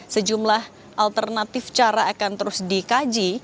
sejumlah alternatif cara akan terus dikaji